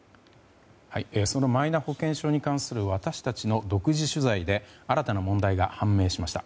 そのマイナ保険証に関する私たちの独自取材で新たな問題が判明しました。